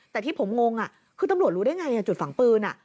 แต่ที่ผมงงคือตำรวจรู้ได้ไงจุดฝังปืน